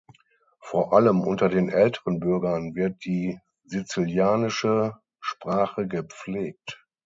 Vor allem unter den älteren Bürgern wird die sizilianische Sprache gepflegt.